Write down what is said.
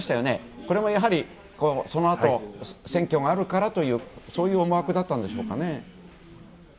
これもやはり、そのあと選挙があるからというそういう思惑だったんでしょうかね。